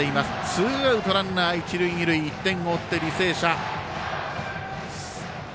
ツーアウト、ランナー、一塁二塁１点を追って履正社。